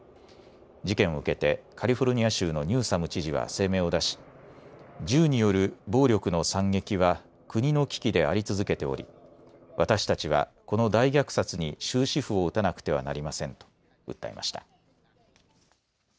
事件を受けてカリフォルニア州のニューサム知事は声明を出し銃による暴力の惨劇は国の危機であり続けており私たちはこの大虐殺に終止符を打たなくてはなりませんと訴えました。